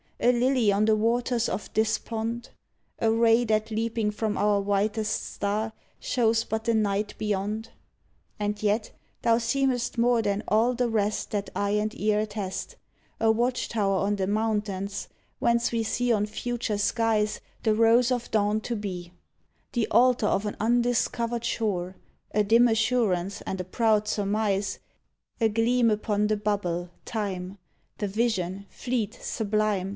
A lily on the waters of despond? A ray that leaping from our whitest star Shows but the night beyond? And yet thou seemest more than all the rest That eye and ear attest — A watch tower on the mountains whence we see On future skies The rose of dawn to be; The altar of an undiscovered shore; A dim assurance and a proud surmise; A gleam Upon the bubble, Time; The vision, fleet, sublime.